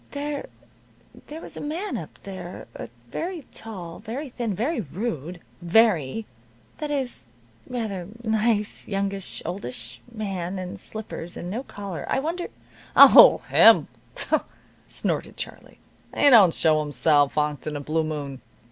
"There there was a man up there a very tall, very thin, very rude, very that is, rather nice youngish oldish man, in slippers, and no collar. I wonder " "Oh, him!" snorted Charlie. "He don't show himself onct in a blue moon.